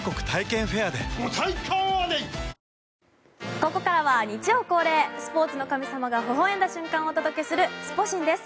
ここからは日曜恒例スポーツの神様がほほ笑んだ瞬間をお届けするスポ神です。